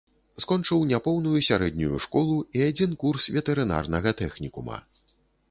Скончыў няпоўную сярэднюю школу і адзін курс ветэрынарнага тэхнікума.